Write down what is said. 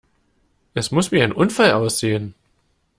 Es muss wie ein Unfall aussehen!